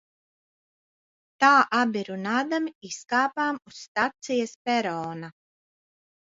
Tā abi runādami izkāpām uz stacijas perona.